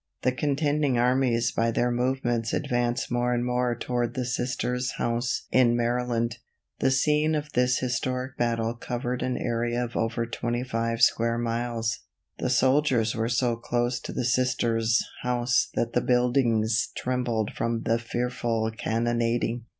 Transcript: The contending armies by their movements advanced more and more toward the Sisters' house in Maryland. The scene of this historic battle covered an area of over twenty five square miles. The soldiers were so close to the Sisters' house that the buildings trembled from the fearful cannonading.